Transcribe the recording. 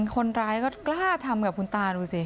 คนร้ายก็กล้าทำกับคุณตาดูสิ